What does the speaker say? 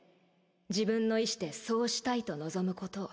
自分の意思でそうしたいと望むことを